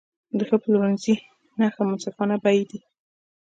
د ښه پلورنځي نښه منصفانه بیې دي.